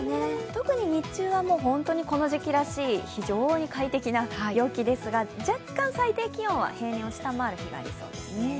特に日中はこの時期らしい非常に快適な陽気ですが、若干、最低気温は平年を下回る日もありそうです。